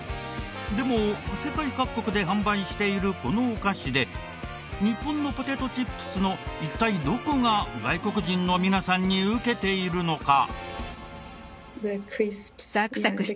でも世界各国で販売しているこのお菓子で日本のポテトチップスの一体どこが外国人の皆さんに受けているのか？